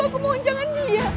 aku mohon jangan dia